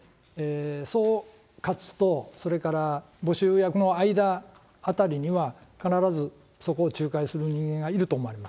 総括と、それから募集役の間あたりには必ずそこを仲介する人間がいると思われます。